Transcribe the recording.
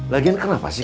lagian kenapa sih